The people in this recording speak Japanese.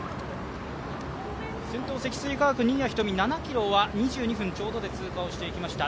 先頭、積水化学新谷仁美、７ｋｍは２２分ちょうどで通過していきました。